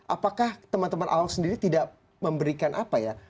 apakah teman teman ahok sendiri tidak memberikan apa ya